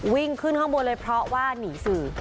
วิ่งขึ้นข้างบนเลยเพราะว่าหนีสื่อ